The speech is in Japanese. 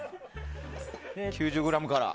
９０ｇから。